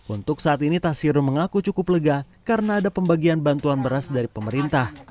untuk saat ini tasiru mengaku cukup lega karena ada pembagian bantuan beras dari pemerintah